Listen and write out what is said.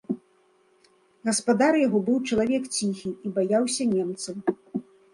Гаспадар яго быў чалавек ціхі і баяўся немцаў.